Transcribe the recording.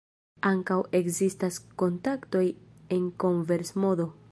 Ankaŭ ekzistas kontaktoj en konvers-modo.